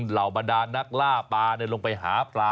เหล่าบรรดานักล่าปลาลงไปหาปลา